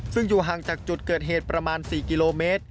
ซึ่งอยู่ห่างจากจุดเกิดเหตุประมาณ๔กิโลเมตร